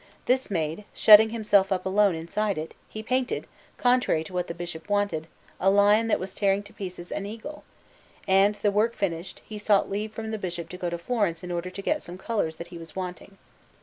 This made, shutting himself up alone inside it, he painted, contrary to what the Bishop wished, a lion that was tearing to pieces an eagle; and, the work finished, he sought leave from the Bishop to go to Florence in order to get some colours that he was wanting.